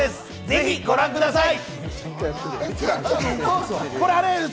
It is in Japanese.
ぜひご覧ください！